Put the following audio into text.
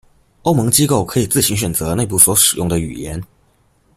欧盟机构可以自行选择内部所使用的语言。